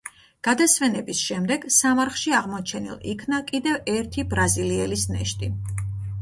გადასვენების შემდეგ, სამარხში აღმოჩენილ იქნა კიდევ ერთი ბრაზილიელის ნეშტი.